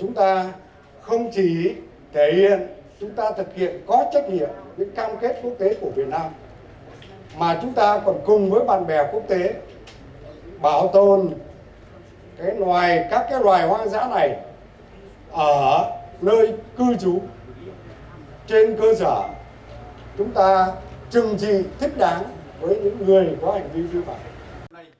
chúng ta không chỉ thể hiện chúng ta thực hiện có trách nhiệm những cam kết quốc tế của việt nam mà chúng ta còn cùng với bạn bè quốc tế bảo tồn các loài hoang dã này ở nơi cư trú trên cơ sở chúng ta chừng gì thích đáng với những người có hành vi như vậy